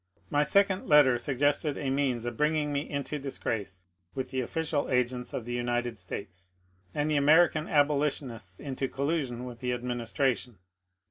My second letter suggested a means of bringing me into disgrace with the official agents of the United States, and the Ameri can abolitionists into collision with the administration.